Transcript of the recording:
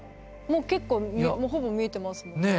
もう結構ほぼ見えてますもんね。